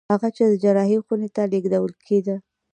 هغه چې د جراحي خونې ته لېږدول کېده